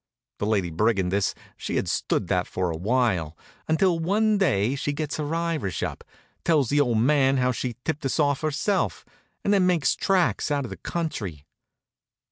The Lady Brigandess she had stood that for a while, until one day she gets her Irish up, tells the old man how she tipped us off herself, and then makes tracks out of the country.